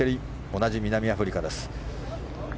同じ南アフリカです。